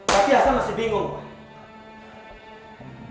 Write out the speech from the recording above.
tapi hasan masih bingung